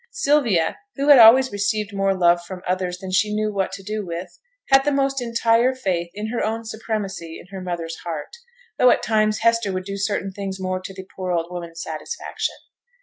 Sylvia, who had always received more love from others than she knew what to do with, had the most entire faith in her own supremacy in her mother's heart, though at times Hester would do certain things more to the poor old woman's satisfaction.